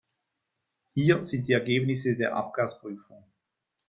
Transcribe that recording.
Hier sind die Ergebnisse der Abgasprüfung.